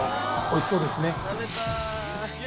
おいしそうですね。